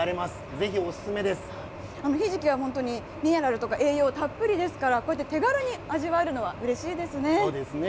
ぜひお勧めひじきは本当にミネラルとか栄養たっぷりですから、こうやって手軽に味わえるのはうれしいでそうですね。